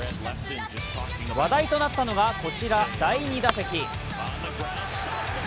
話題となったのは、こちら第２打席。